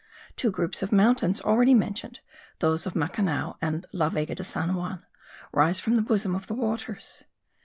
Two groups of mountains already mentioned, those of Macanao and La Vega de San Juan, rise from the bosom of the waters.